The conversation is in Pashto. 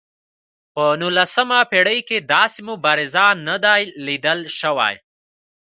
په نولسمه پېړۍ کې داسې مبارز نه دی لیدل شوی.